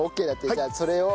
じゃあそれを。